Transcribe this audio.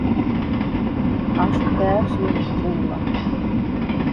აშხვ და̄̈ვს ლოხვტუ̄ლა: